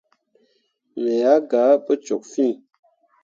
Me ah gah pu cok fîi.